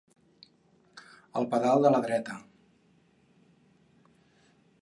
El pedal de la dreta.